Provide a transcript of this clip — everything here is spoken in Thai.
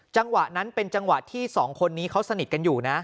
จังหวะนั้นเป็นจังหวะที่สองคนนี้เขาสนิทกันอยู่นะ